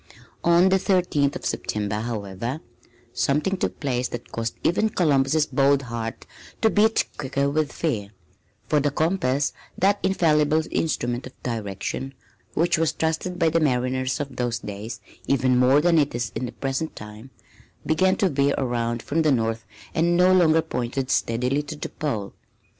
On the Thirteenth of September, however, something took place that caused even Columbus' bold heart to beat quicker with fear, for the compass, that infallible instrument of direction, which was trusted by the mariners of those days even more than it is in the present time, began to veer around from the north and no longer pointed steadily to the pole.